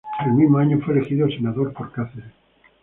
El mismo año fue elegido senador por Cáceres.